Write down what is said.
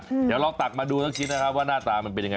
เดี๋ยวลองตักมาดูสักชิ้นนะครับว่าหน้าตามันเป็นยังไง